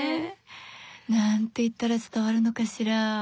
何て言ったら伝わるのかしら。